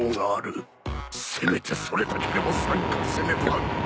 せめてそれだけでも参加せねば。